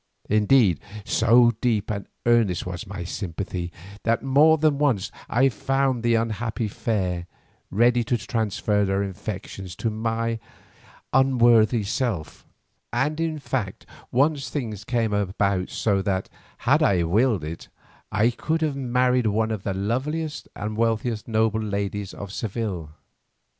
Indeed so deep and earnest was my sympathy that more than once I found the unhappy fair ready to transfer their affections to my unworthy self, and in fact once things came about so that, had I willed it, I could have married one of the loveliest and wealthiest noble ladies of Seville.